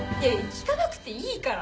聞かなくていいから。